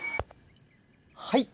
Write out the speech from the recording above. はい。